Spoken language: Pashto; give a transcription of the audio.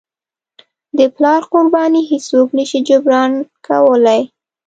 د پلار قرباني هیڅوک نه شي جبران کولی.